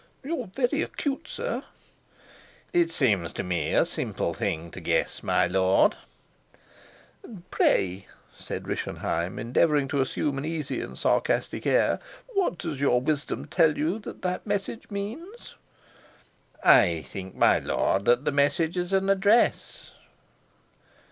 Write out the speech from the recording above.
"You are very acute, sir." "It seems to me a simple thing to guess, my lord." "And pray," said Rischenheim, endeavoring to assume an easy and sarcastic air, "what does your wisdom tell you that the message means?" "I think, my lord, that the message is an address."